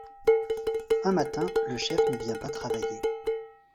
Un matin, le chef ne vient pas travailler.